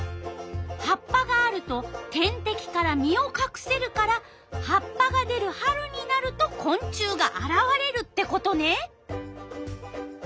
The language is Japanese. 葉っぱがあると天敵から身をかくせるから葉っぱが出る春になるとこん虫があらわれるってことね！